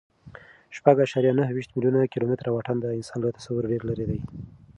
شپږ اعشاریه نهه ویشت میلیونه کیلومتره واټن د انسان له تصوره ډېر لیرې دی.